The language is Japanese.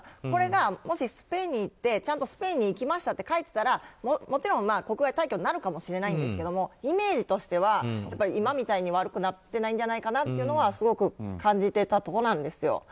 これがもしスペインに行ってちゃんとスペインに行きましたって書いてたら国外退去になるかもしれませんがイメージとしては今みたいに悪くなっていないんじゃないかと感じていたところなんです。